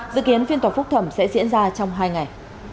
dự kiến phiên tòa phúc thẩm sẽ diễn ra trong hai ngày